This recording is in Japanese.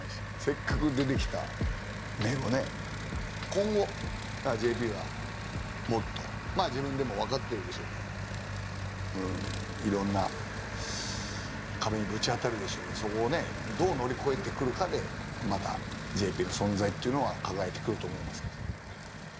今後ＪＰがもっと自分でも分かってるでしょうけどいろんな壁にぶち当たるでしょうけどそこをねどう乗り越えてくるかでまたＪＰの存在っていうのは輝いてくると思いますけど。